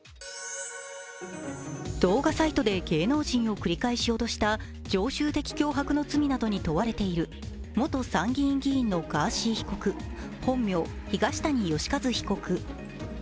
動画サイトで芸能人を繰り返し脅した常習的脅迫などの罪に問われている元参議院議員のガーシー被告、本名・東谷義和被告。